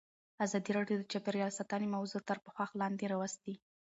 ازادي راډیو د چاپیریال ساتنه موضوع تر پوښښ لاندې راوستې.